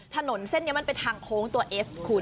ถนนเส้นนี้มันเป็นทางโค้งตัวเอสคุณ